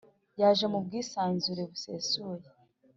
yaje mu bwisanzure busesuye